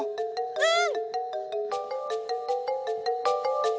うん！